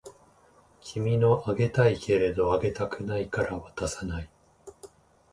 君のあげたいけれどあげたくないから渡さない